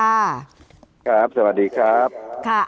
ครับสวัสดีครับ